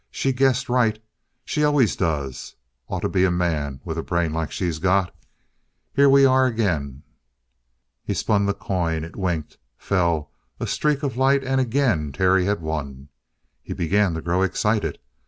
"She guessed right. She always does! Oughta be a man, with a brain like she's got. Here we are again!" He spun the coin; it winked, fell, a streak of light, and again Terry had won. He began to grow excited.